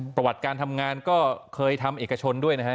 ประวัติการทำงานก็เคยทำเอกชนด้วยนะฮะ